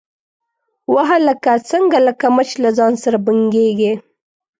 _وه هلکه، څنګه لکه مچ له ځان سره بنګېږې؟